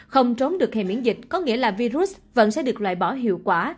không trốn được hệ miễn dịch có nghĩa là virus vẫn sẽ được loại bỏ hiệu quả